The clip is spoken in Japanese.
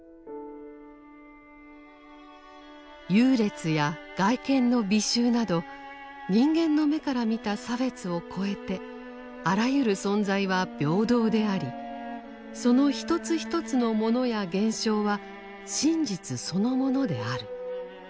優劣や外見の美醜など人間の目から見た差別を超えてあらゆる存在は平等でありその一つ一つの物や現象は真実そのものである。